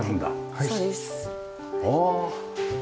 はいそうです。ああ。